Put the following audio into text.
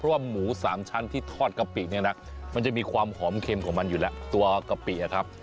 เพราะหมูสามชั้นทอดกะปิเนี่ยมันมีความหอมเข็มของมันอยู่แล้วกะปิครับ